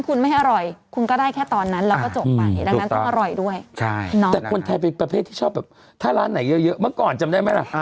ของโดนัสคุณกึ้งได้หรือเปล่า